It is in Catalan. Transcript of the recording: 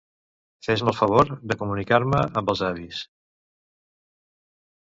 Fes-me el favor de comunicar-me amb els avis.